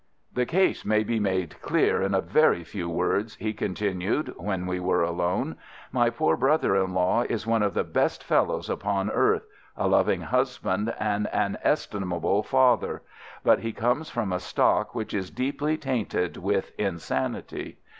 "The case may be made clear in a very few words," he continued, when we were alone. "My poor brother in law is one of the best fellows upon earth, a loving husband and an estimable father, but he comes from a stock which is deeply tainted with insanity.